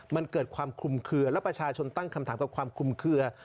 มันเกิดความคลุมเคลือและประชาชนตั้งคำถามกับความคลุมเคลือ